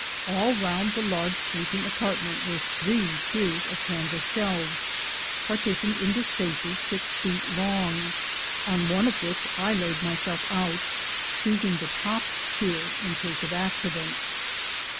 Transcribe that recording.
All round the large sleeping apartment were three tiers of canvas shelves, partitioned into spaces six feet long, on one of which I laid myself out, choosing the top tier in case of accidents.